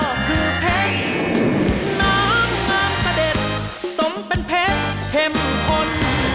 น้ำน้ำสะเด็ดสมเป็นเพชรเข็มขน